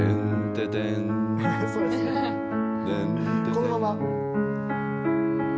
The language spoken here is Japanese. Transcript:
このまま。